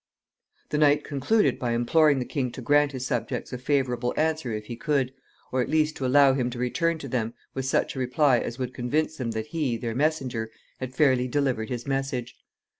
The knight concluded by imploring the king to grant his subjects a favorable answer if he could, or at least to allow him to return to them with such a reply as would convince them that he, their messenger, had fairly delivered his message.